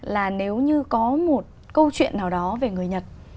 là nếu như có một câu chuyện nào đó về người nhật